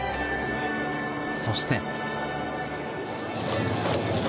そして。